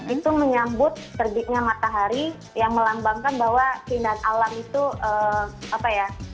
itu menyambut terbitnya matahari yang melambangkan bahwa keindahan alam itu apa ya